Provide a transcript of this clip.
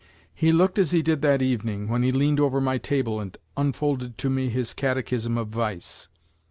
He looked as he did that evening, when he leaned over my table and unfolded to me his catechism of vice.